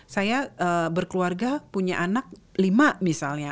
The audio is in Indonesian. saya berkeluarga punya anak lima misalnya